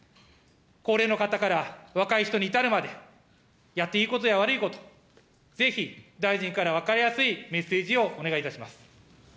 高齢の方から若い人に至るまで、やっていいことや悪いこと、ぜひ大臣から分かりやすいメッセージをお願いいたします。